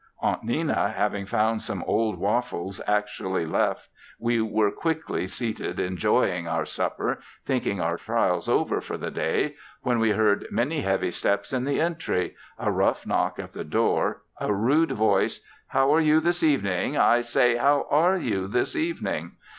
Aunt Nenna, having found some cold waffles actually left we were quickly seated enjoying (?) our supper thinking our trials over for the day, when we heard many heavy steps in the entry, a rough knock at the door; a rude voice; "how are you this evening, I say, how are you this evening?"